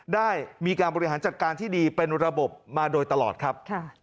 ได้มีการบริหารจัดการที่ดีเป็นระบบมาโดยตลอดครับ